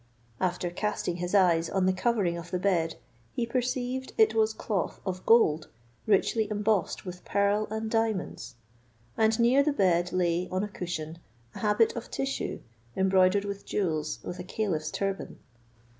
After casting his eyes on the covering of the bed, he perceived it was cloth of gold richly embossed with pearl and diamonds; and near the bed lay, on a cushion, a habit of tissue embroidered with jewels, with a caliph's turban.